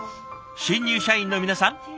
新入社員の皆さん